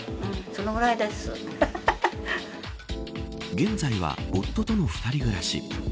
現在は、夫との２人暮らし。